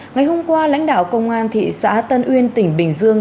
ngày hôm qua lãnh đạo công an thị xã tân uyên tỉnh bình dương